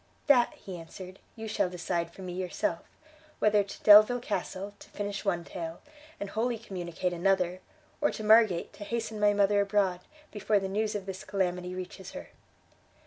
"That;" he answered, "you shall decide for me yourself: whether to Delvile Castle, to finish one tale, and wholly communicate another, or to Margate, to hasten my mother abroad, before the news of this calamity reaches her."